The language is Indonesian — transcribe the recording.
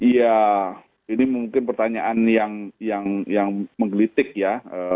ya ini mungkin pertanyaan yang menggelitik ya